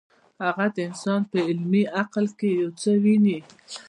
هغه د انسان په عملي عقل کې یو څه ویني.